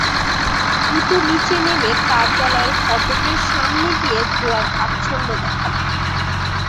দ্রুত নিচে নেমে কার্যালয়ের ফটকের সামনে গিয়ে ধোঁয়ায় আচ্ছন্ন দেখা যায়।